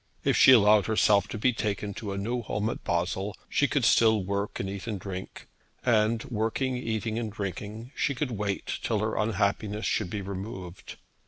If she allowed herself to be taken to a new home at Basle she could still work and eat and drink, and working, eating, and drinking she could wait till her unhappiness should be removed.